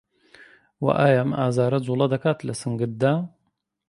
و ئایا ئەم ئازاره جووڵه دەکات لە سنگتدا؟